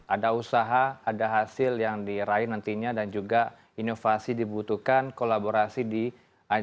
ada usaha ada hasil yang diraih nantinya dan juga inovasi dibutuhkan kolaborasi